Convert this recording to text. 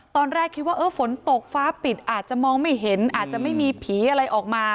ตอนแรกคิดว่าเออฝนตกฟ้าปิดอาจจะมองไม่เห็นอาจจะไม่มีผีอะไรออกมา